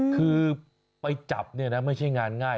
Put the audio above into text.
คือไปจับเนี่ยนะไม่ใช่งานง่าย